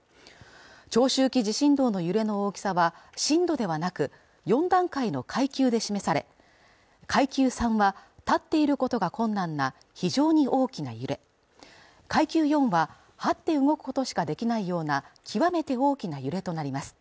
長周期地震動の揺れの大きさは震度ではなく４段階の階級で示され階級３は立っていることが困難な非常に大きな揺れ階級４ははって動くことしかできないような極めて大きな揺れとなります